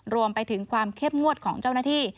รวมไปถึงความเข้มงวดของเจ้าหน้าที่